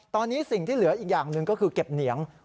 ตอนนี้สิ่งที่เหลืออีกอย่างหนึ่งก็คือเก็บเหนียง